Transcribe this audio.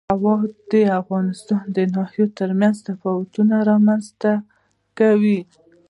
هوا د افغانستان د ناحیو ترمنځ تفاوتونه رامنځ ته کوي.